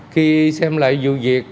khi xem lại vụ việc